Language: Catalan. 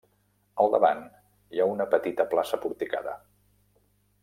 Al davant hi ha una petita plaça porticada.